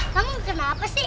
kamu kenapa sih